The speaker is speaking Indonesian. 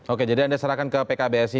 oke jadi anda serahkan ke pkbsi